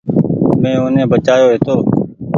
مين اوني بچآيو هيتو۔